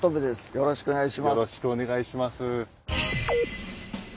よろしくお願いします。